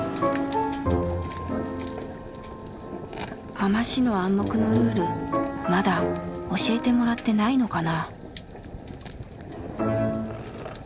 海士の暗黙のルールまだ教えてもらってないのかな。